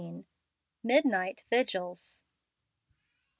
MIDNIGHT VIGILS.